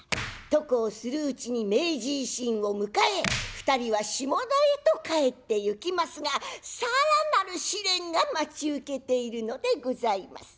とこうするうちに明治維新を迎え２人は下田へと帰ってゆきますが更なる試練が待ち受けているのでございます。